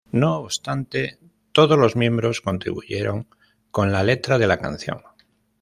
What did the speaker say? No obstante, todos los miembros contribuyeron con la letra de la canción.